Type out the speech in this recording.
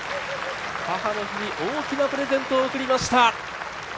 母の日に大きなプレゼントを贈りました。